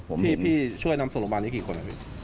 พี่ช่วยนำส่งโรงพยาบาลให้กี่คน